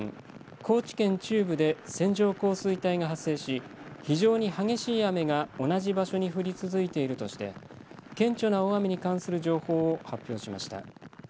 高知県中部で線状降水帯が発生し非常に激しい雨が同じ場所に降り続いているとして顕著な大雨に関する情報を発表しました。